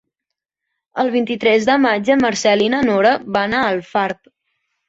El vint-i-tres de maig en Marcel i na Nora van a Alfarb.